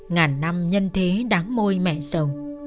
ngàn năm nhân thế đáng môi mẹ sầu